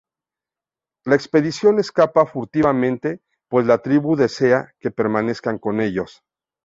La expedición escapa furtivamente, pues la tribu desea que permanezcan con ellos.